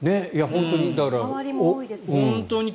周りも多いです。